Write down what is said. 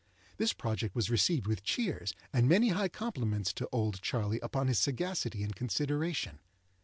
This project was received with cheers, and many high compliments to "Old Charley" upon his sagacity and consideration.